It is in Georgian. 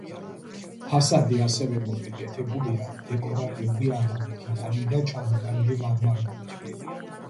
ფასადი ასევე მოპირკეთებულია დეკორატიული აგურით, იტალიიდან ჩამოტანილი მარმარილოთი.